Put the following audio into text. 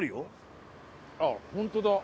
あっ本当だ。